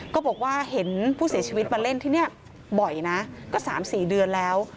ก็บอกว่าเห็นผู้เสียชีวิตมาเล่นที่นี่บ่อยนะก็๓๔เดือนแล้ว